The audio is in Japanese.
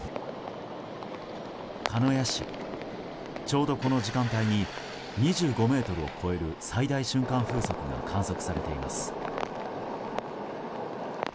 鹿屋市、ちょうどこの時間帯に２５メートルを超える最大瞬間風速が観測されています。